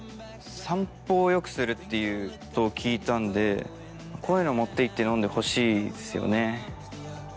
散歩をよくするっていうことを聞いたんでこういうの持って行って飲んでほしいですよね。